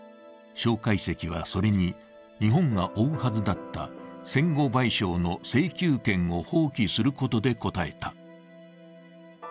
蒋介石は、それに、日本が負うはずだった戦後賠償の請求権を放棄することで応えた。